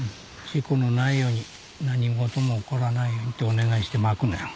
事故のないように何事も起こらないようにとお願いしてまくのよ。